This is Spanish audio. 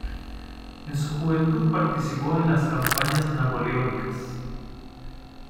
En su juventud participó en las campañas napoleónicas.